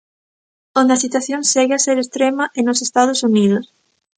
Onde a situación segue a ser extrema é nos Estados Unidos.